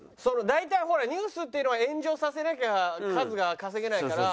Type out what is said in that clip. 大体ほらニュースっていうのは炎上させなきゃ数が稼げないから。